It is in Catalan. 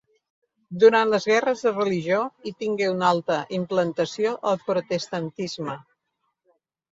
Durant les guerres de religió hi tingué una alta implantació el protestantisme.